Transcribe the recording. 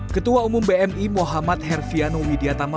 ketua umum bmi muhammad herfiano widiatama